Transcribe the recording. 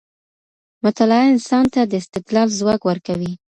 مطالعه انسان ته د استدلال ځواک ورکوي.